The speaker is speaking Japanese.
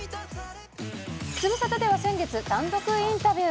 ズムサタでは先月、単独インタビュー。